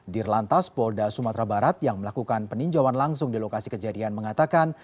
dirlantas polda sumatera barat yang melakukan peninjauan langsung di lokasi kejadian mengatakan